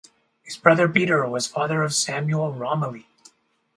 His brother Peter was father of Samuel Romilly.